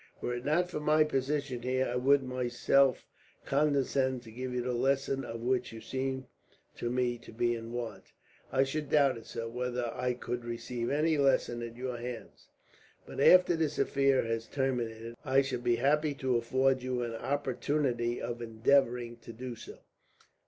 Were it not for my position here, I would myself condescend to give you the lesson of which you seem to me to be in want." "I should doubt, sir, whether I could receive any lesson at your hands; but after this affair has terminated, I shall be happy to afford you an opportunity of endeavouring to do so."